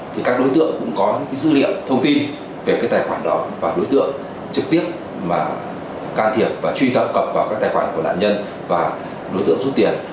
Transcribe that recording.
thì các đối tượng cũng có những dữ liệu thông tin về cái tài khoản đó và đối tượng trực tiếp mà can thiệp và truy cập cập vào các tài khoản của nạn nhân và đối tượng rút tiền